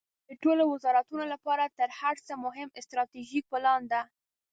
د ټولو وزارتونو لپاره تر هر څه مهم استراتیژیک پلان ده.